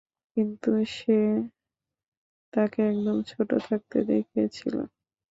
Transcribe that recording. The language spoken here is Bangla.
কিন্তু সে তাকে একদম ছোট থাকতে দেখেছিল।